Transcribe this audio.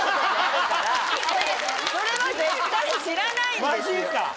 それは絶対に知らないんですよ。